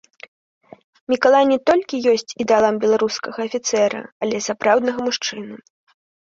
Мікалай не толькі ёсць ідэалам беларускага афіцэра, але і сапраўднага мужчыны.